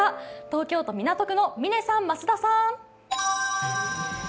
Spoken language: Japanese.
東京都港区の嶺さん、増田さん。